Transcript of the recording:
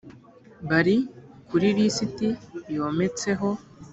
bari kuri lisiti yometseho.